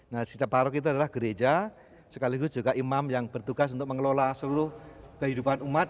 nah di setiap parok itu adalah gereja sekaligus juga imam yang bertugas untuk mengelola seluruh kehidupan umat